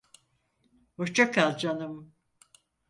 Hoşça kal, canım.